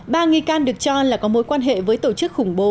ba nghi can được cho là có mối quan hệ với tổ chức khủng bố